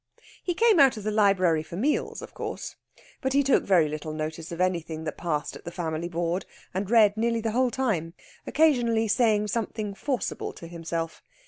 He came out of the library for meals, of course. But he took very little notice of anything that passed at the family board, and read nearly the whole time, occasionally saying something forcible to himself.